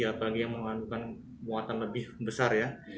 apalagi yang mengandungkan muatan lebih besar ya